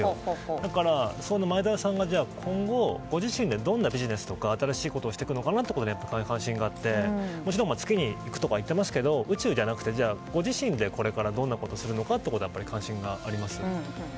だから前澤さんが今後ご自身でどんなビジネスとか新しいことをしていくのかに関心があってもちろん月に行くとか言っていますが、宇宙ではなくてご自身でこれからどんなことをするのか関心がありますね。